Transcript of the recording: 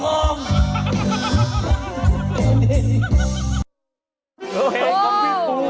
เพลงของพี่ปู